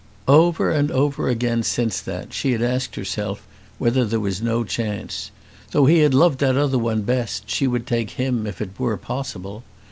Over and over again since that, she had asked herself whether there was no chance. Though he had loved that other one best she would take him if it were possible.